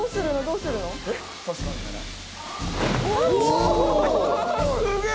すげえ